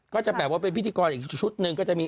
ก็จะแบบว่าเป็นพิธีกรอีกชุดหนึ่งก็จะมี